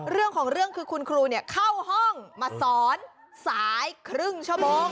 เรื่องของเรื่องคือคุณครูเข้าห้องมาสอนสายครึ่งชั่วโมง